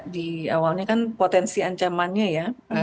di awalnya kan potensi ancamannya ya